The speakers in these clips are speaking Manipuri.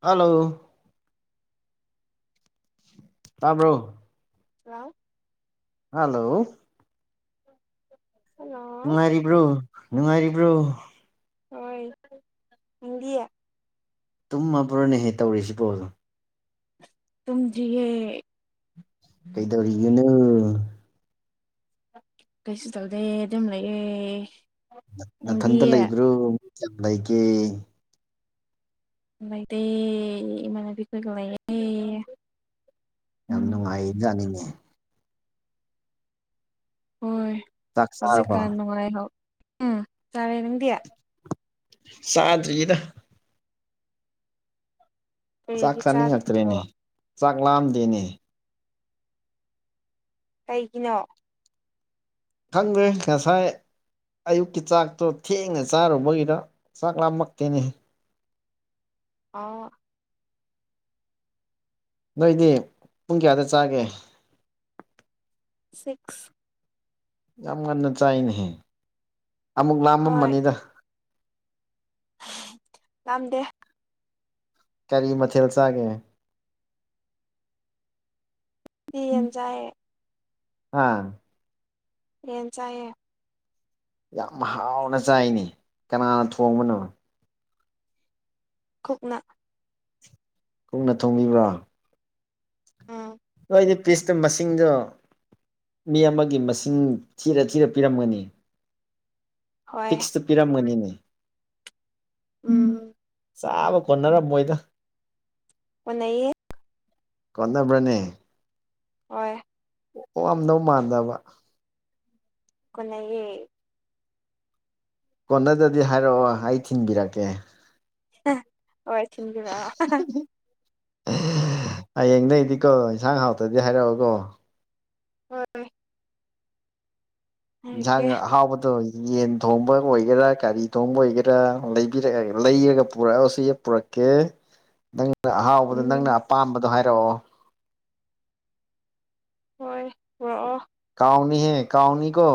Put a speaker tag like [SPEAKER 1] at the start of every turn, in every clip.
[SPEAKER 1] ꯍꯜꯂꯣ ꯇꯥꯕ꯭ꯔꯣ?
[SPEAKER 2] ꯂꯜꯣ
[SPEAKER 1] ꯍꯜꯂꯣ
[SPEAKER 2] ꯍꯜꯂꯣ
[SPEAKER 1] ꯅꯨꯡꯉꯥꯏꯔꯤꯕ꯭ꯔꯣ ꯅꯨꯡꯉꯥꯏꯔꯤꯕ꯭ꯔꯣ
[SPEAKER 2] ꯍꯣꯏ ꯈꯪꯗꯤ
[SPEAKER 1] ꯇꯨꯝꯃꯕ꯭ꯔꯣꯅꯦꯍꯦꯛ ꯇꯧꯔꯤꯁꯤꯕꯣ
[SPEAKER 2] ꯇꯨꯝꯗꯔꯌꯦ
[SPEAKER 1] ꯀꯩꯗꯧꯔꯤꯒꯅꯣ
[SPEAKER 2] ꯀꯩꯁꯨ ꯇꯧꯗꯦ ꯑꯗꯨꯝ ꯂꯩꯌꯦ ꯅꯪꯗꯤ
[SPEAKER 1] ꯅꯥꯊꯟꯇ ꯂꯩꯕ꯭ꯔꯣ ꯃꯤ ꯀꯌꯥꯝ ꯂꯩꯒꯦ
[SPEAKER 2] ꯂꯩꯥꯏꯗꯦ ꯏꯃꯥꯟꯕꯤ ꯈꯣꯏꯒ ꯂꯩꯥꯏꯌꯦ
[SPEAKER 1] ꯌꯥꯝ ꯅꯨꯡꯉꯥꯏꯌꯦꯖꯥꯅꯤꯡꯅ‌ꯦ
[SPEAKER 2] ꯍꯣꯏ
[SPEAKER 1] ꯆꯥꯛ ꯆꯥꯔꯕꯣ
[SPEAKER 2] ꯍꯧꯖꯤꯛꯀꯥꯟ ꯅꯨꯡꯉꯥꯏꯍꯧ ꯎꯝ ꯆꯥꯔꯦ ꯅꯪꯗꯤ
[SPEAKER 1] ꯆꯥꯗ꯭ꯔꯤꯗ ꯫ ꯆꯥꯛ
[SPEAKER 2] ꯀꯔꯤꯒꯤ ꯆꯥꯗ꯭ꯔꯤꯕꯣ
[SPEAKER 1] ꯆꯥꯅꯤꯡꯉꯛꯇ꯭ꯔꯦꯅꯦ ꯆꯥꯛ ꯂꯥꯝꯗꯦꯅꯦ
[SPEAKER 2] ꯀꯩꯒꯤꯅꯣ
[SPEAKER 1] ꯈꯪꯗ‌ꯦ ꯉꯁꯥꯏ ꯑꯌꯨꯛꯀꯤ ꯆꯥꯛꯇꯣ ꯊꯦꯡꯅ ꯆꯥꯔꯨꯕꯒꯤꯔ ꯆꯥꯛ ꯂꯥꯝꯃꯛꯇꯦꯅꯦ
[SPEAKER 2] [inaudible]
[SPEAKER 1] ꯅꯣꯏꯗꯤ ꯄꯨꯡ ꯀꯌꯥꯗ ꯆꯥꯒꯦ
[SPEAKER 2] ꯁꯤꯛꯁ
[SPEAKER 1] ꯌꯥꯝ ꯉꯟꯅ ꯆꯥꯏꯅꯦꯍꯦ ꯑꯃꯨꯛ
[SPEAKER 2] ꯍꯣꯏ
[SPEAKER 1] ꯂꯥꯝꯃꯝꯕꯅꯤꯗ
[SPEAKER 2] ꯂꯝ ꯗ‌ꯦ
[SPEAKER 1] ꯀꯔꯤ ꯃꯊꯦꯜ ꯆꯥꯒꯦ?
[SPEAKER 2] ꯌ‌ꯦꯟ ꯆꯥꯏꯌꯦ
[SPEAKER 1] ꯑꯥ
[SPEAKER 2] ꯌꯦꯟ ꯆꯥꯏꯌꯦ
[SPEAKER 1] ꯌꯥꯝ ꯍꯥꯎꯅ ꯆꯥꯏꯅꯤ ꯀꯅꯥꯅ ꯊꯣꯡꯕꯅꯣ
[SPEAKER 2] ꯈꯨꯠꯅꯥ꯫
[SPEAKER 1] ꯀꯨꯡꯅ ꯊꯣꯡꯕꯤꯕ꯭ꯔꯥ
[SPEAKER 2] ꯎꯝ
[SPEAKER 1] ꯅꯣꯏ ꯑꯩꯗꯤ ꯄꯤꯁꯇ ꯃꯁꯤꯡꯗꯣ ꯃꯤ ꯑꯃꯒꯤ ꯃꯁꯤꯡ ꯊꯤꯔ ꯊꯤꯔ ꯄꯤꯔꯝꯒꯅꯤ
[SPEAKER 2] ꯍꯣꯏ
[SPEAKER 1] ꯄꯤꯛꯁꯇꯨ ꯄꯤꯔꯝꯒꯅꯤ
[SPEAKER 2] ꯎꯝ
[SPEAKER 1] ꯆꯥꯕ ꯀꯣꯟꯅꯔꯝꯃꯣꯏꯗ
[SPEAKER 2] ꯑꯣ ꯅꯩꯌꯦ꯫
[SPEAKER 1] ꯀ‌ꯣꯟꯅꯕ꯭ꯔꯅꯦ
[SPEAKER 2] ꯍꯣꯏ
[SPEAKER 1] ꯑꯣ ꯑꯝꯗꯧ ꯃꯥꯟꯗꯕ
[SPEAKER 2] ꯀꯅꯌꯦ
[SPEAKER 1] ꯀꯣꯟꯅꯗꯗꯤ ꯍꯥꯏꯔꯛꯑꯣ ꯑꯩ ꯊꯤꯟꯕꯤꯔꯛꯀꯦ
[SPEAKER 2] ꯍꯥ- ꯍꯣꯏ ꯊꯤꯟꯕꯤꯔꯛꯑꯣ꯫
[SPEAKER 1] ꯍꯌꯦꯡꯗꯒꯤꯗꯤꯀꯣ ꯏꯟꯁꯥꯡ ꯍꯥꯎꯇꯗꯤ ꯍꯥꯏꯔꯛꯑꯣꯀꯣ
[SPEAKER 2] [inaudible] ꯍꯥꯏꯔꯛꯀꯦ
[SPEAKER 1] ꯌꯥꯖ ꯍꯥꯎꯕꯗ ꯌꯦꯟ ꯊꯣꯡꯕ ꯑꯣꯏꯒꯦꯔꯥ ꯀꯒꯥꯔꯤ ꯊꯣꯡꯕ ꯑꯣꯏꯒꯦꯔꯥ ꯂꯩꯕꯤꯔꯛꯑꯒ ꯂꯩꯔꯒ ꯄꯨꯔꯛꯑꯁꯨ ꯌꯦ ꯄꯨꯔꯛꯀꯦ
[SPEAKER 2] [inaudible]
[SPEAKER 1] ꯅꯪꯅ ꯑꯍꯥꯎꯕꯗꯣ ꯅꯪꯅ
[SPEAKER 2] ꯎꯝ
[SPEAKER 1] ꯑꯄꯥꯝꯕꯗꯣ ꯍꯥꯏꯔꯛꯑꯣ
[SPEAKER 2] ꯍꯣꯏ ꯍꯛꯑꯣ
[SPEAKER 1] ꯀꯥꯎꯥꯎꯅꯤ ꯍ ꯀꯥꯎꯥꯎꯅꯤ ꯀꯣ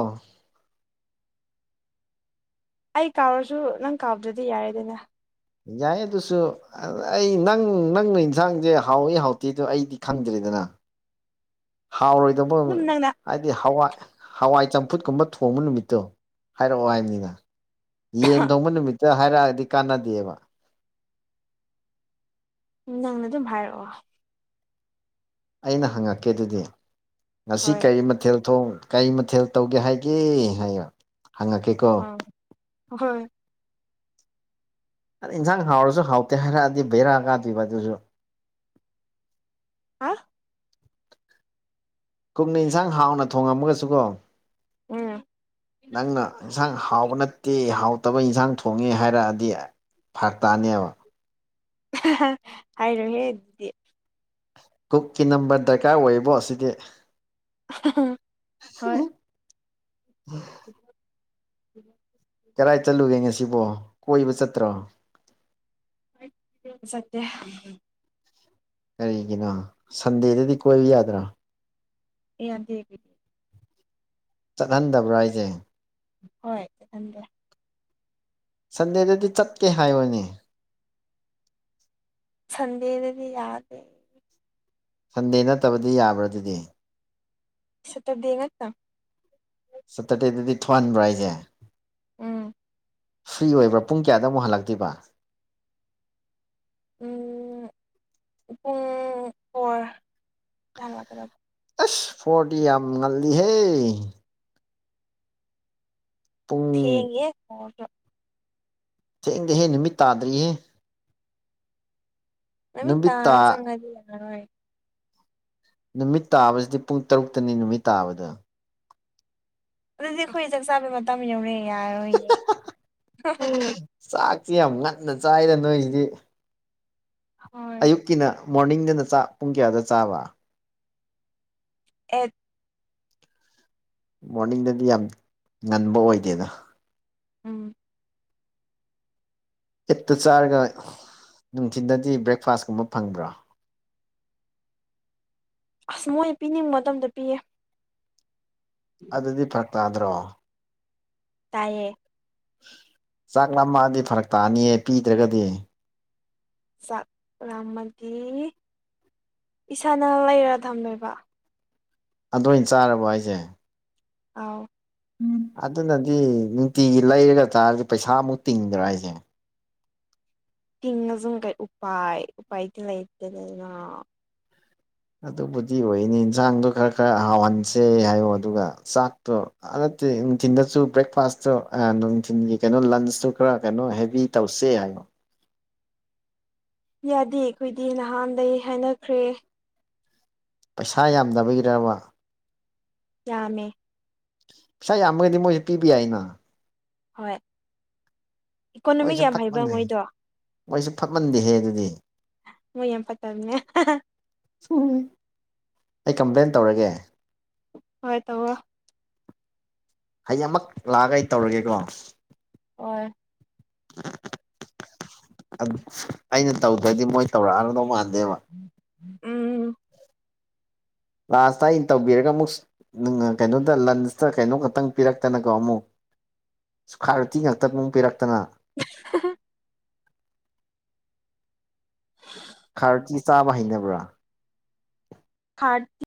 [SPEAKER 2] ꯑꯩ ꯀꯥꯎꯔꯁꯨ ꯅꯪ ꯀꯥꯎꯕꯗꯗꯤ ꯌꯥꯔꯦꯗꯅ
[SPEAKER 1] ꯌꯥꯏ ꯑꯗꯨꯨꯁꯨ꯫ ꯑꯩ ꯅꯪ ꯅꯪꯅ ꯌꯦꯟꯁꯥꯡꯁꯦ ꯍꯥꯎꯏ ꯍꯥꯎꯇꯦꯗꯣ ꯑꯩꯗꯤ ꯈꯪꯗ꯭ꯔꯦꯗꯅ ꯍꯥꯎꯔꯣꯏꯗꯧꯕ
[SPEAKER 2] ꯑꯗꯨꯝ ꯅꯪꯅ
[SPEAKER 1] ꯍꯥꯏꯗꯤ ꯍꯋꯥꯏ ꯍꯋꯥꯏ ꯆꯝꯐꯨꯠ ꯀꯨꯝꯕ ꯊꯣꯡꯕ ꯅꯨꯃꯤꯠꯇꯣ ꯍꯥꯏꯔꯛꯑꯣ ꯍꯥꯏꯕꯅꯤꯅ ꯌꯦꯟ ꯊꯣꯡꯕ ꯅꯨꯃꯤꯠꯇ ꯍꯥꯏꯔꯛꯑꯗꯤ ꯀꯥꯟꯅꯗꯦꯕꯥ꯫
[SPEAKER 2] ꯅꯪꯅ ꯑꯗꯨꯝ ꯍꯥꯏꯔꯛꯑꯣ
[SPEAKER 1] ꯑꯩꯅ ꯍꯪꯉꯛꯀꯦ ꯑꯗꯨꯗꯤ ꯉꯁꯤ
[SPEAKER 2] ꯍꯣꯏ
[SPEAKER 1] ꯀꯔꯤ ꯃꯊꯦꯜ ꯊꯣꯡ ꯀꯔꯤ ꯃꯊꯦꯜ ꯇꯧꯒꯦ ꯍꯥꯏꯒꯦ ꯍꯥꯏ ꯍꯪꯉꯛꯀꯦ
[SPEAKER 2] ꯑꯥ ꯍꯣꯏ
[SPEAKER 1] ꯑꯗ ꯏꯟꯁꯥꯡ ꯍꯥꯎꯔꯁꯨ ꯍꯥꯎꯇꯦ ꯍꯥꯏꯔꯛꯑꯗꯤ ꯕꯩꯔꯥꯑ ꯀꯥꯗꯣꯏꯕ ꯑꯗꯨꯁꯨ
[SPEAKER 2] ꯍꯥ
[SPEAKER 1] ꯀꯛꯅ ꯏꯟꯁꯥꯡ ꯍꯥꯎꯅ ꯊꯣꯉꯝꯃꯒꯁꯨ ꯀꯣ
[SPEAKER 2] ꯎꯝ
[SPEAKER 1] ꯅꯪꯅ ꯌꯦꯟꯁꯥꯡ ꯍꯥꯎꯕ ꯅꯠꯇꯦ ꯍꯥꯎ ꯐ ꯇꯕ ꯏꯟꯁꯥꯡ ꯊꯣꯡꯉꯦ ꯍꯥꯏꯔꯛꯑꯗꯤ ꯐꯔ ꯇꯅꯦꯕ
[SPEAKER 2] ꯍꯥꯏꯔꯣꯍꯦ ꯑꯗꯨꯗꯤ
[SPEAKER 1] ꯀꯨꯛꯀꯤ ꯅꯝꯕꯔ ꯗꯔꯀꯥꯔ ꯑꯣꯏꯔꯤꯕꯣ ꯁꯤꯗꯤ
[SPEAKER 2] ꯍꯣꯏ ꯎꯝ ꯎꯝ
[SPEAKER 1] ꯀꯔꯥꯏ ꯆꯠꯂꯨꯒꯦ ꯉꯁꯤꯕꯣ ꯀꯣꯏꯕ ꯆꯠꯇ꯭ꯔꯣ
[SPEAKER 2] ꯁꯠ
[SPEAKER 1] ꯀꯔꯤꯒꯤꯅꯣ ꯁꯟꯗꯦꯗꯗꯤ ꯀꯣꯏꯕ ꯌꯥꯗ꯭ꯔꯥ
[SPEAKER 2] ꯌꯥꯗꯦ ꯑꯩꯒꯤꯗꯤ ꯫
[SPEAKER 1] ꯆꯠꯍꯟꯗꯕ꯭ꯔꯥ ꯑꯩꯁꯦ
[SPEAKER 2] ꯍꯣꯏ ꯊꯗ
[SPEAKER 1] ꯁꯟꯗꯦꯗꯗꯤ ꯆꯠꯀꯦ ꯍꯥꯏꯕꯅꯦ
[SPEAKER 2] ꯊꯟꯗꯦꯗꯗꯤ ꯌꯥꯗ
[SPEAKER 1] ꯁꯟꯗꯦ ꯅꯠꯇꯕꯗꯤ ꯌꯥꯕ꯭ꯔꯥ ꯑꯗꯨꯗꯤ
[SPEAKER 2] ꯁꯇꯗꯦꯡꯒꯠ ꯅ
[SPEAKER 1] ꯁꯇꯔꯗꯦꯗꯗꯤ ꯊꯣꯛꯨꯍꯟꯕ꯭ꯔꯣ ꯑꯩꯁꯦ
[SPEAKER 2] ꯎꯝ
[SPEAKER 1] ꯐ꯭ꯔꯤ ꯑꯣꯏꯕ꯭ꯔꯥ ꯄꯨꯡ ꯀꯌꯥꯗ ꯑꯃꯨꯛ ꯍꯜꯂꯛꯇꯣꯏꯕ
[SPEAKER 2] ꯎ ꯄꯨꯡ ꯐꯣꯔ ꯇ ꯍꯜꯂꯛꯀꯗꯕ
[SPEAKER 1] ꯑꯦꯁ ꯐꯣꯔꯇꯤ ꯌꯥꯝ ꯉꯜꯗꯤꯍꯦ ꯄꯨꯡ
[SPEAKER 2] ꯌꯦꯉꯦ
[SPEAKER 1] ꯁꯦꯡꯗꯤꯍꯦ ꯅꯨꯃꯤꯠ ꯇꯥꯗ꯭ꯔꯤꯍꯦ
[SPEAKER 2] ꯑꯃꯤ
[SPEAKER 1] ꯅꯨꯃꯤꯠ ꯇꯥ
[SPEAKER 2] ꯇꯥꯔꯥ ꯆꯥꯡꯒꯥꯗꯤ ꯌꯥꯅꯣꯏ
[SPEAKER 1] ꯅꯨꯃꯤꯠ ꯇꯥꯕꯁꯤꯗꯤ ꯄꯨꯡ ꯇꯔꯨꯛꯇꯅꯤ ꯅꯨꯃꯤꯠ ꯇꯥꯕꯗ
[SPEAKER 2] ꯑꯗꯨꯗꯤ ꯑꯩꯈꯣꯏ ꯆꯥꯛ ꯆꯥꯕꯩ ꯃꯇꯝ ꯌꯧꯔꯦ ꯌꯥꯔꯣꯏꯅꯦ ꯍꯨ- ꯍꯨ
[SPEAKER 1] ꯆꯥꯛꯁꯤꯦ ꯌꯥꯝ ꯉꯟꯅ ꯆꯥꯏꯗꯦ ꯅꯣꯏꯁꯤꯗꯤ
[SPEAKER 2] ꯍꯣꯏ
[SPEAKER 1] ꯑꯌꯨꯛꯀꯤꯅ -ꯃꯣꯔꯅꯤꯡꯗꯅ ꯆꯥꯛ ꯄꯨꯡ ꯀꯌꯥꯗ ꯆꯥꯕ?
[SPEAKER 2] ꯑꯦ
[SPEAKER 1] ꯃꯣꯔꯅꯤꯡꯗꯗꯤ ꯌꯥꯝ ꯉꯟꯕ ꯑꯣꯏꯗꯦꯗ
[SPEAKER 2] ꯎꯝ
[SPEAKER 1] ꯑꯦꯠꯇ ꯆꯥꯔꯒ ꯅꯨꯡꯊꯤꯟꯗꯗꯤ ꯕ꯭ꯔꯦꯛꯐꯥꯁꯀꯨꯝꯕ ꯐꯪꯕ꯭ꯔꯣ
[SPEAKER 2] ꯑꯁ ꯃꯣꯏ ꯄꯤꯅꯤꯡꯕ ꯃꯇꯝꯗ ꯄꯤꯌꯦ
[SPEAKER 1] ꯑꯗꯨꯗꯤ ꯐꯔꯛ ꯇꯥꯗ꯭ꯔꯣ
[SPEAKER 2] ꯇꯥꯏꯌꯦ
[SPEAKER 1] ꯆꯥꯛ ꯂꯥꯝꯃꯛꯑꯗꯤ ꯐꯔꯛ ꯇꯥꯅꯤꯌꯦ ꯄꯤꯗ꯭ꯔꯒꯗꯤ
[SPEAKER 2] ꯆꯥꯛ ꯂꯥꯝꯃꯗꯤ ꯏꯁꯥꯅ ꯂꯩꯔ ꯊꯝꯃꯦꯕ
[SPEAKER 1] ꯑꯗꯨ ꯑꯣꯏꯅ ꯆꯥꯔꯕꯣ ꯍꯥꯏꯖꯦ
[SPEAKER 2] ꯑꯥꯎ
[SPEAKER 1] ꯎꯝ ꯑꯗꯨꯅꯗꯤ ꯅꯨꯡꯇꯤꯒꯤ ꯂꯩꯔꯒ ꯆꯥꯔꯗꯤ ꯄꯩꯁꯥꯃꯨꯛ ꯇꯤꯡꯗ꯭ꯔꯥ ꯍꯥꯏꯖꯦ
[SPEAKER 2] ꯇꯤꯡꯉꯥꯖꯨꯝ ꯀꯩ ꯎꯄꯥꯏ ꯎꯄꯥꯥꯏ ꯇꯤ ꯂꯩꯇꯦꯅꯦ ꯅ
[SPEAKER 1] ꯑꯗꯨꯕꯨꯗꯤ ꯑꯣꯏꯅꯤ ꯏꯟꯖꯥꯡꯗꯣ ꯈꯔ ꯈꯔ ꯍꯥꯎꯍꯟꯁꯦ ꯍꯥꯏꯌꯣ ꯑꯗꯨꯒ ꯆꯥꯛꯇꯣ ꯑ ꯅꯠꯇꯦ ꯅꯨꯡꯊꯤꯟꯗꯁꯨ ꯕ꯭ꯔꯦꯛꯐꯥꯁꯇꯣ ꯑ ꯅꯨꯡꯊꯤꯟꯒꯤ ꯀꯩꯅꯣ ꯂꯟꯁꯇꯨ ꯈꯔ ꯀꯩꯅꯣ ꯍꯦꯕꯤ ꯇꯧꯁꯦ ꯍꯥꯏꯕ
[SPEAKER 2] ꯌꯥꯗꯦ ꯈꯣꯏꯗꯤ ꯅꯍꯥꯟꯗꯩ ꯍꯥꯏꯅꯈ꯭ꯔꯦ
[SPEAKER 1] ꯄꯩꯁꯥ ꯌꯥꯝꯗꯕꯒꯤꯔꯕ
[SPEAKER 2] ꯌꯥꯝꯃꯦ
[SPEAKER 1] ꯄꯩꯁꯥ ꯌꯥꯝꯃꯒꯗꯤ ꯃꯣꯏꯖꯨ ꯄꯤꯕ ꯌꯥꯏꯅ
[SPEAKER 2] ꯍꯣꯏ ꯏꯀꯣꯅꯣꯃꯤꯛ
[SPEAKER 1] ꯃꯣꯏꯁꯨ
[SPEAKER 2] ꯌꯥꯝ ꯍꯩꯕ
[SPEAKER 1] ꯐꯠꯃꯟꯅꯦ
[SPEAKER 2] ꯃꯣꯏꯗꯣ
[SPEAKER 1] ꯃꯣꯏꯁꯨ ꯐꯠꯃꯟꯗꯦꯍꯦ ꯑꯗꯨꯗꯤ
[SPEAKER 2] ꯃꯣꯏ ꯌꯥꯝ ꯐꯠꯇꯝꯅꯦ
[SPEAKER 1] ꯑꯩ ꯀꯝꯄ꯭ꯂꯦꯟ ꯇꯧꯔꯒꯦ
[SPEAKER 2] ꯍꯣꯏ ꯇꯧꯔꯣ
[SPEAKER 1] ꯍꯌꯦꯡ ꯃꯛ ꯂꯥꯛꯑꯒ ꯑꯩ ꯇꯧꯔꯒꯦꯀꯣ
[SPEAKER 2] ꯍꯣꯏ
[SPEAKER 1] ꯑꯠ ꯑꯩꯅ ꯇꯧꯗ꯭ꯔꯗꯤ ꯃꯣꯏ ꯇꯧꯔꯛꯑꯔꯗꯧ ꯃꯥꯟꯗꯦꯕ
[SPEAKER 2] ꯎꯝ
[SPEAKER 1] ꯂꯥꯁꯇ ꯑꯩꯅ ꯇꯧꯕꯤꯔꯒ ꯑꯃꯨꯛ ꯅꯨꯡꯑ ꯀꯩꯅꯣꯗ ꯂꯟꯁꯇ ꯀꯩꯅꯣ ꯈꯇꯪ ꯄꯤꯔꯛꯇꯅꯀꯣ ꯑꯃꯨꯛ ꯁꯨꯈꯥꯏꯔꯨꯇꯤ ꯉꯥꯛꯇ ꯄꯨꯛ ꯄꯤꯔꯛꯇꯅ
[SPEAKER 2] [unintelligible]
[SPEAKER 1] ꯈꯥꯔꯇꯤ ꯆꯥꯕ ꯍꯩꯅꯕ꯭ꯔꯥ
[SPEAKER 2] ꯍꯥꯔꯠꯇꯤ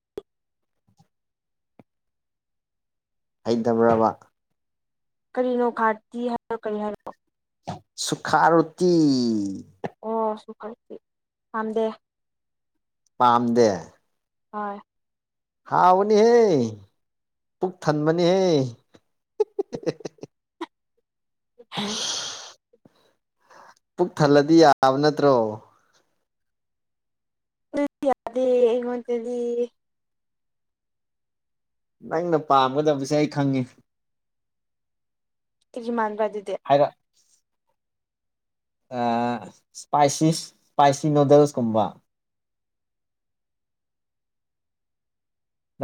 [SPEAKER 1] ꯍꯩꯇꯥ ꯕꯔꯕ
[SPEAKER 2] ꯀꯔꯤꯅꯣ ꯈꯥꯔꯇꯤ ꯍꯥꯏꯕꯨ ꯀꯔꯤ ꯍꯥꯏꯔꯣ
[SPEAKER 1] ꯁꯨꯈꯥ ꯔꯣꯇꯤ
[SPEAKER 2] ꯑꯣ ꯁꯨꯈꯥ ꯔꯣꯇꯤ ꯄꯥꯝꯗꯦ
[SPEAKER 1] ꯄꯥꯝꯗꯦ
[SPEAKER 2] ꯍꯣꯏ
[SPEAKER 1] ꯍꯥꯎꯕꯅꯤꯍꯦ ꯄꯨꯛ ꯊꯟꯕꯅꯤꯍꯦ
[SPEAKER 2] [unintelligible]
[SPEAKER 1] ꯄꯨꯛ ꯊꯜꯂꯗꯤ ꯌꯥꯕ ꯅꯠꯇ꯭ꯔꯣ
[SPEAKER 2] ꯗꯨꯗꯤ ꯌꯥꯗꯦ ꯑꯩꯉꯣꯟꯗꯗꯤ
[SPEAKER 1] ꯅꯪꯅ ꯄꯥꯝꯒꯗꯕꯁꯦ ꯑꯩ ꯈꯪꯉꯦ
[SPEAKER 2] ꯀꯦꯔꯤ ꯃꯥꯟꯕꯔ ꯑꯗꯨꯗꯤ
[SPEAKER 1] ꯍꯥꯏꯔꯛ ꯑ ꯏꯁꯄꯥꯏꯁꯤꯁ ꯏꯁꯄꯥꯏꯁꯤ ꯅꯨꯗꯜꯁꯀꯨꯝꯕ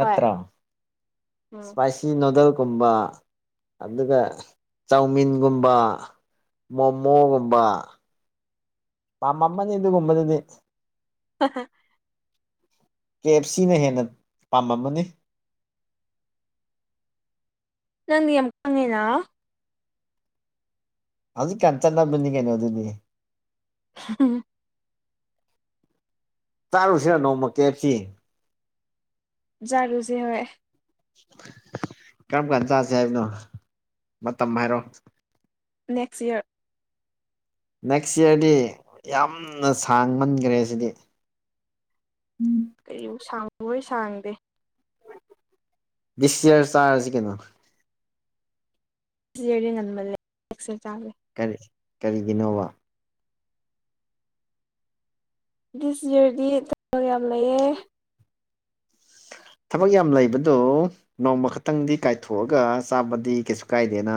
[SPEAKER 2] ꯍꯣꯏ ꯎꯝ
[SPEAKER 1] ꯏꯁꯄꯥꯏꯁꯤ ꯅꯨꯗꯜꯒꯨꯝꯕ ꯑꯗꯨꯒ ꯆꯧꯃꯤꯟꯒꯨꯝꯕ ꯃꯣꯃꯣꯒꯨꯝꯕ ꯄꯥꯝꯃꯝꯃꯅꯤ ꯑꯗꯨꯒꯨꯝꯕꯗꯨꯗꯤ
[SPEAKER 2] ꯍꯥꯍꯥ
[SPEAKER 1] ꯀꯦ ꯑꯦꯞ ꯁꯤꯅ ꯍꯦꯟꯅ ꯄꯥꯝꯃꯝꯃꯅꯤ
[SPEAKER 2] ꯅꯪꯗꯤ ꯌꯥꯝ ꯈꯪꯉꯦꯅ
[SPEAKER 1] ꯍꯧꯖꯤꯛ ꯀꯥꯟ ꯆꯠꯅꯕꯅꯤ ꯀꯩꯅꯣ ꯑꯗꯨꯗꯤ
[SPEAKER 2] [unintelligible]
[SPEAKER 1] ꯇꯥꯔꯨꯁꯤꯔ ꯅꯣꯡꯃ ꯀꯦꯞꯁꯤ
[SPEAKER 2] ꯖꯥꯔꯨꯁꯦ ꯍꯣꯏ
[SPEAKER 1] ꯀꯔꯝ ꯀꯥꯟ ꯆꯥꯖꯦ ꯍꯥꯏꯕꯅꯣ ꯃꯇꯝ ꯍꯥꯏꯔꯣ
[SPEAKER 2] ꯅꯦꯛꯁ ꯌ ꯏꯌꯔ
[SPEAKER 1] ꯅꯦꯛꯁ ꯏꯌꯥꯔꯗꯤ ꯌꯥꯝꯅ ꯁꯥꯡꯃꯟꯈ꯭ꯔꯦ ꯁꯤꯗꯤ꯫
[SPEAKER 2] ꯀꯔꯤ ꯁꯥꯡꯉꯍꯣꯏ ꯁꯥꯡꯗꯦ
[SPEAKER 1] ꯗꯤꯁꯌꯔ ꯆꯥꯔꯖꯤ ꯀꯩꯅꯣ
[SPEAKER 2] ꯁꯤꯔꯗꯤ ꯉꯟꯕ ꯂꯩ ꯑꯦꯛꯁ ꯆꯥꯒꯦ
[SPEAKER 1] ꯀꯔꯤ ꯀꯔꯤꯒꯤꯅꯣꯕ
[SPEAKER 2] ꯗꯤꯁ ꯌꯥꯔꯗꯤ ꯊꯕꯛ ꯌꯥꯝ ꯂꯩꯑꯦ
[SPEAKER 1] ꯊꯕꯛ ꯌꯥꯝ ꯂꯩꯕꯗꯨꯣ ꯅꯣꯡꯃ ꯈꯛꯇꯪꯗꯤ ꯀꯥꯏꯊꯣꯛꯑꯒ ꯆꯥꯕꯗꯤ ꯀꯩꯁꯨ ꯀꯥꯏꯗꯦꯅ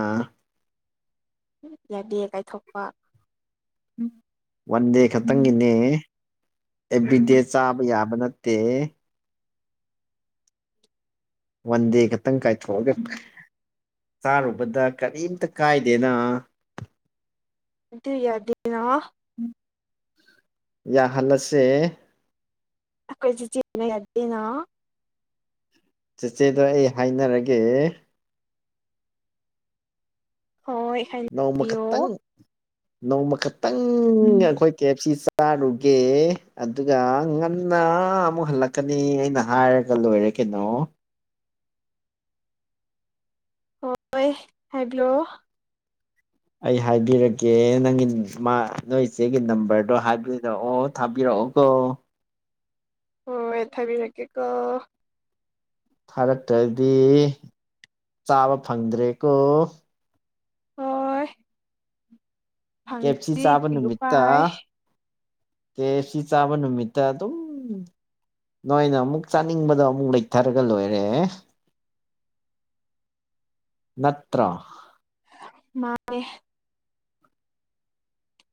[SPEAKER 2] ꯌꯥꯗꯦ ꯀꯥꯏꯊꯣꯛꯄ
[SPEAKER 1] ꯋꯥꯟ ꯗꯦ ꯈꯠꯇꯪꯒꯤꯅꯤ ꯑꯦꯕ꯭ꯔꯤꯗꯦ ꯆꯥꯕ ꯌꯥꯕ ꯅꯠꯇꯦ ꯋꯥꯟ ꯗꯦ ꯈꯛꯇꯪ ꯀꯥꯏꯊꯣꯛꯑꯒ ꯆꯥꯔꯨꯕꯗ ꯀꯔꯤꯝꯇ ꯀꯥꯏꯗꯦꯅ
[SPEAKER 2] ꯑꯩ ꯌꯥꯗ‌ꯦꯅꯍ
[SPEAKER 1] ꯌꯥꯍꯜꯂꯁꯦ
[SPEAKER 2] ꯑꯩꯈꯣꯏꯁꯤ ꯆꯤꯅ ꯌꯥꯗꯗꯤ ꯅ
[SPEAKER 1] ꯆꯦꯆꯦꯗꯣ ꯑꯩ ꯍꯥꯏꯅꯔꯒꯦ
[SPEAKER 2] ꯍꯣꯏ꯫
[SPEAKER 1] ꯅꯣꯡꯃ
[SPEAKER 2] ꯍꯥꯏꯕꯤꯌꯣ
[SPEAKER 1] ꯈꯛꯇꯪ
[SPEAKER 2] [inaudible]
[SPEAKER 1] ꯅꯣꯡꯃ ꯈꯛꯇꯪ ꯑꯩꯈꯣꯏ ꯀꯦ ꯑꯦꯞ ꯁꯤ ꯆꯥꯔꯨꯒꯦ ꯑꯗꯨꯒ ꯉꯟꯅ ꯑꯃꯨꯛ ꯍꯜꯂꯛꯀꯅꯤ ꯑꯩꯅ ꯍꯥꯏꯔꯒ ꯂꯣꯏꯔꯦ ꯀꯩꯅꯣ
[SPEAKER 2] ꯍꯣꯏ ꯍꯥꯏꯕꯤꯌꯣ
[SPEAKER 1] ꯑꯩ ꯍꯥꯏꯕꯤꯔꯛꯀꯦ ꯅꯪꯒꯤ ꯃꯥ ꯅꯣꯏ ꯏꯆꯦꯒꯤ ꯅꯝꯕꯔꯗꯣ ꯍꯥꯏꯕꯤꯔꯛꯑꯣ ꯊꯥꯕꯤꯔꯛꯑꯣꯀꯣ
[SPEAKER 2] ꯎꯝ [unintelligible]
[SPEAKER 1] ꯊꯥꯔꯛꯇ꯭ꯔꯗꯤ ꯆꯥꯕ ꯐꯪꯗ꯭ꯔꯦꯀꯣ
[SPEAKER 2] ꯍꫭꯏ
[SPEAKER 1] ꯀꯦꯞꯁꯤ ꯆꯥꯕ
[SPEAKER 2] ꯀꯔꯤ
[SPEAKER 1] ꯅꯨꯃꯤꯠꯇ
[SPEAKER 2] ꯎꯄꯥꯏ
[SPEAKER 1] ꯑꯦ ꯁꯤ ꯆꯥꯕ ꯅꯨꯃꯤꯠꯇ ꯑꯗꯨꯝ ꯅꯣꯏꯅ ꯑꯃꯨꯛ ꯆꯥꯅꯤꯡꯕꯗꯣ ꯑꯃꯨꯛ ꯂꯩꯊꯔꯒ ꯂꯣꯏꯔꯦꯦ ꯅꯠꯇ꯭ꯔꯣ
[SPEAKER 2] ꯃꯥꯅꯦ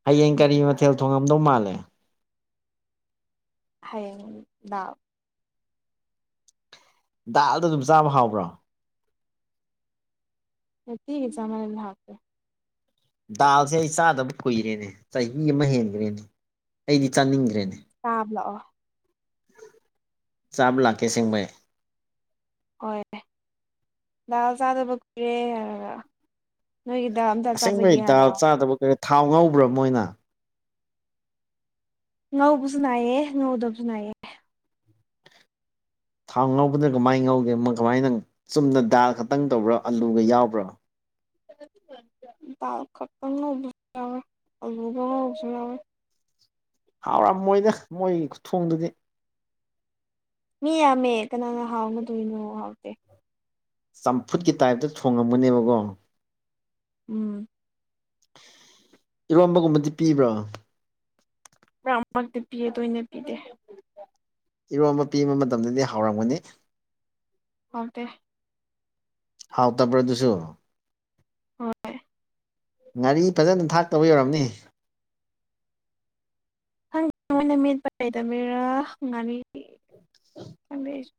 [SPEAKER 1] ꯍꯌꯦꯡ ꯀꯔꯤ ꯃꯊꯦꯜ ꯊꯣꯡꯉꯝꯗꯧ ꯃꯥꯜꯂꯦ
[SPEAKER 2] ꯍꯌꯦꯡꯗ
[SPEAKER 1] ꯗꯥꯜꯗꯣ ꯑꯗꯨꯝ ꯆꯥꯕ ꯍꯥꯎꯕ꯭ꯔꯣ
[SPEAKER 2] [unintelligible]
[SPEAKER 1] ꯗꯥꯜꯁꯦ ꯑꯩ ꯆꯥꯗꯕ ꯀꯨꯏꯔꯦꯅꯦ ꯆꯍꯤ ꯑꯃ ꯍꯦꯟꯈ꯭ꯔꯦꯅꯦ ꯑꯩꯗꯤ ꯆꯥꯅꯤꯡꯈ꯭ꯔꯦꯅꯦ
[SPEAKER 2] ꯇꯥꯕ ꯂꯥꯛꯑꯣ꯫
[SPEAKER 1] ꯆꯥꯕ ꯂꯥꯛꯀꯦ ꯁ‌ꯦꯡꯕꯩ
[SPEAKER 2] ꯍꯣꯏ ꯜ ꯆꯥꯗꯕ ꯀꯨꯔꯦ ꯍꯥꯏꯔꯒ ꯅꯣꯏꯒꯤꯗ ꯑꯝꯇ
[SPEAKER 1] ꯑꯁꯦꯡꯕꯩ
[SPEAKER 2] ꯆꯥꯖꯒꯦ ꯍꯥꯏꯔꯑꯣ
[SPEAKER 1] [unintelligible] ꯊꯥꯎ ꯉꯧꯕ꯭ꯔꯥ ꯃꯣꯏꯅ
[SPEAKER 2] ꯉꯧꯕꯁꯨ ꯅꯥꯏꯌꯦꯦ ꯉꯧꯗꯕꯁꯨ ꯏꯌꯦ
[SPEAKER 1] ꯊꯥꯎ ꯉꯧꯕꯗꯣ ꯀꯃꯥꯏꯅ ꯉꯧꯒꯦ ꯀꯃꯥꯏꯅ ꯆꯨꯝꯅ ꯗꯥꯜ ꯈꯛꯇꯪ ꯇꯧꯕ꯭ꯔꯥ ꯑꯂꯨꯒ ꯌꯥꯎꯕ꯭ꯔꯥ
[SPEAKER 2] ꯗꯜ ꯈꯛꯇꯪ ꯎꯖ [unintelligible] ꯑꯜꯨꯒꯅ ꯎꯖꯔ [unintelligible]
[SPEAKER 1] ꯍꯥꯎꯔꯝꯃꯣꯏꯗ ꯃꯣꯏꯒꯤ ꯈꯨꯊꯣꯡꯗꯨꯗꯤ꯫
[SPEAKER 2] ꯃꯤ ꯌꯥꯝꯃꯦ ꯀꯅꯥꯅ ꯍꯥꯎꯅ ꯊꯣꯡꯗꯣꯏꯅꯣ ꯍꯥꯎꯇꯦ꯫
[SPEAKER 1] ꯆꯝꯐꯨꯠꯀꯤ ꯇꯥꯏꯞꯇ ꯊꯣꯡꯉꯝꯒꯅꯦꯕꯀꯣ
[SPEAKER 2] ꯎꯝ
[SPEAKER 1] ꯏꯔꯣꯝꯕꯒꯨꯝꯕꯗꯤ ꯄꯤꯕ꯭ꯔꯣ?
[SPEAKER 2] ꯄꯨꯔꯥꯃꯛꯇꯤ ꯄꯤꯌꯦ ꯇꯣꯏꯅ ꯄꯤꯗꯦ꯫
[SPEAKER 1] ꯏꯔꯣꯝꯕ ꯄꯤꯕ ꯃꯇꯝꯗꯗꯤ ꯍꯥꯎꯔꯝꯒꯅꯤ?
[SPEAKER 2] ꯍꯗ
[SPEAKER 1] ꯍꯥꯎꯇꯕ꯭ꯔꯥ ꯑꯗꯨꯁꯨ꯫
[SPEAKER 2] ꯍꯣꯏ꯫
[SPEAKER 1] ꯉꯥꯔꯤ ꯐꯖꯅ ꯊꯥꯛꯇꯥꯕꯩ ꯑꯣꯏꯔꯝꯅꯤ꯫
[SPEAKER 2] ꯈꯪꯗꯦ ꯃꯣꯏꯅ ꯃꯦꯠꯄ ꯍꯩꯇ꯭ꯕꯩꯔꯥ ꯉꯥꯔꯤ ꯈꯪꯗꯦ ꯑꯩꯁꯨ꯫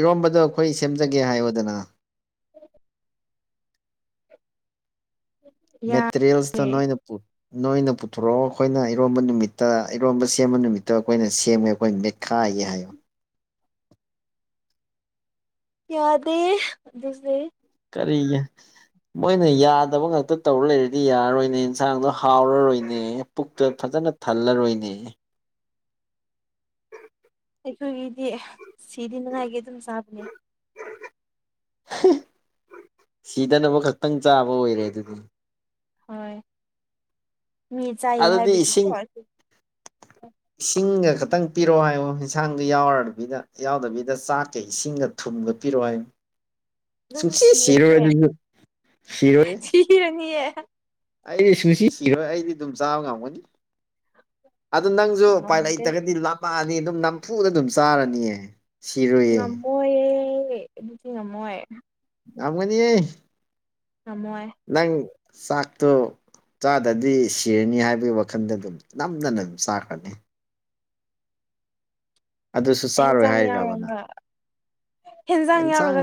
[SPEAKER 1] ꯏꯔꯣꯝꯕꯗꯣ ꯑꯩꯈꯣꯏ ꯁꯦꯝꯖꯒꯦ ꯍꯥꯏꯌꯣꯗꯅ
[SPEAKER 2] ꯍ [unintelligible]
[SPEAKER 1] ꯃꯦꯇꯔꯤꯌꯦꯜꯁꯇꯨ
[SPEAKER 2] ꯌꯥꯗꯦ
[SPEAKER 1] ꯅꯣꯏꯅ ꯄꯨ꯫ ꯅꯣꯏꯅ ꯄꯨꯊꯣꯔꯛꯑꯣ ꯑꯩꯈꯣꯏꯅ ꯏꯔꯣꯝꯕ ꯅꯨꯃꯤꯠꯇ- ꯏꯔꯣꯝꯕ ꯁꯦꯝꯕ ꯅꯨꯃꯤꯠꯇ ꯑꯩꯈꯣꯏꯅ ꯁꯦꯝꯃꯦ ꯑꯩꯈꯣꯏꯅ ꯃꯦꯠ ꯈꯥꯏꯑꯦ ꯍꯥꯏꯌꯣ꯫
[SPEAKER 2] ꯌꯥꯗꯦ ꯑꯗꯨꯗꯤ꯫
[SPEAKER 1] ꯀꯔꯤꯌꯦ? ꯃꯣꯏꯅ ꯌꯥꯗꯕ ꯉꯥꯛꯇ ꯇꯧꯔꯥ ꯂꯩꯔꯗꯤ ꯌꯥꯔꯔꯣꯏꯅꯦ ꯏꯟꯁꯥꯡꯗꯣ ꯍꯥꯎꯔꯔꯣꯏꯅꯦ ꯄꯨꯛꯇ ꯐꯖꯅ꯫ ꯊꯜꯂꯔꯣꯏꯅꯦ꯫ [unintelligible]
[SPEAKER 2] ꯑꯩꯈꯣꯏꯒꯤꯗꯤ ꯁꯤꯗꯤꯅꯤꯉꯥꯏꯒꯤ ꯑꯗꯨꯝ ꯆꯥꯕꯅꯦ꯫
[SPEAKER 1] ꯍꯥ ꯁꯤꯗꯅꯕ ꯈꯛꯇꯪ ꯆꯥꯕ ꯑꯣꯏꯔꯦ ꯑꯗꯨꯗꯤ꯫
[SPEAKER 2] ꯍꯣꯏ꯫ ꯃꯤ ꯆꯥꯏꯌꯦ
[SPEAKER 1] ꯑꯗꯨꯗꯤ
[SPEAKER 2] ꯍꯥꯏꯕꯒꯤꯀꯣ
[SPEAKER 1] ꯏꯁꯤꯡ꯫
[SPEAKER 2] [unintelligible]
[SPEAKER 1] ꯏꯁꯤꯡꯒ ꯈꯛꯇꯪ ꯄꯤꯔꯣ ꯍꯥꯏꯌꯣ ꯏꯟꯁꯥꯡꯗꯨ ꯌꯥꯎꯔꯗꯕꯤꯗ- ꯌꯥꯎꯗꯕꯤꯗ ꯆꯥꯛꯀ ꯏꯁꯤꯡꯒ꯫ ꯊꯨꯝꯒ ꯄꯤꯔꯣꯏ ꯫
[SPEAKER 2] ꯅꯪꯁꯨ ꯁꯤꯔꯥꯅꯤꯌꯦ-
[SPEAKER 1] ꯁꯤꯔꯣꯏ
[SPEAKER 2] ꯁꯤꯔꯥꯅꯤꯌꯦ꯫
[SPEAKER 1] ꯑꯩꯗꯤ ꯁꯨꯡꯁꯤ ꯁꯤꯔꯣꯏ ꯫ꯑꯩꯗꯤ ꯑꯗꯨꯝ ꯆꯥꯕ ꯉꯝꯒꯅꯤ꯫ ꯑꯗꯨ ꯅꯪꯁꯨ ꯎꯄꯥꯏ
[SPEAKER 2] ꯉꯝꯗꯦ
[SPEAKER 1] ꯂꯩꯇ꯭ꯔꯒꯗꯤ ꯂꯥꯝꯃꯛꯑꯅꯤ ꯑꯗꯨꯝ ꯅꯝꯐꯨꯗ ꯑꯗꯨꯝ ꯆꯥꯔꯅꯤꯌꯦ꯫ ꯁꯤꯔꯣꯏꯑꯦ꯫
[SPEAKER 2] ꯍꯣꯏꯌꯦ ꯑꯗꯨꯗꯤ ꯉꯝꯃꯣꯏ꯫
[SPEAKER 1] ꯉꯝꯒꯅꯤ꯫
[SPEAKER 2] ꯑꯣꯏ
[SPEAKER 1] ꯅꯪ ꯆꯥꯛꯇꯣ! ! ꯆꯥꯗꯗꯤ ꯁꯤꯔꯅꯤ ꯍꯥꯏꯕꯒꯤ ꯋꯥꯈꯜꯗ ꯑꯗꯨꯝ ꯅꯝꯗꯅ ꯑꯗꯨꯝ ꯆꯥꯈ꯭ꯔꯅꯤ꯫ ꯑꯗꯨꯁꯨ ꯆꯥꯔꯣꯏ
[SPEAKER 2] ꯍꯦꯟꯖꯥꯡ
[SPEAKER 1] ꯍꯥꯏꯔꯤꯔꯕ ꯅꯪ
[SPEAKER 2] ꯌꯥꯎꯔꯒ - ꯍꯦꯟꯖꯥꯡ ꯌꯥꯎꯔꯒ
[SPEAKER 1] ꯑꯦꯟꯁꯥꯡ
[SPEAKER 2] ꯆꯥ [unintelligible]